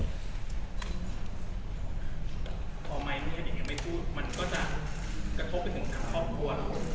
พอไมไม่ได้ยินยังไม่พูดมันก็จะกระทบไปถึงครอบครัว